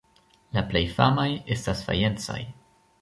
La plej famaj estas fajencaj.